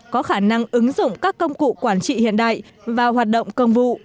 có khả năng ứng dụng các công cụ quản trị hiện đại và hoạt động công vụ